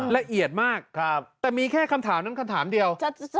ละเอียดมากแต่มีแค่คำถามนั้นคำถามเดียว